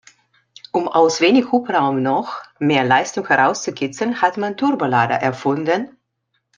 Um aus wenig Hubraum noch mehr Leistung herauszukitzeln, hat man Turbolader erfunden.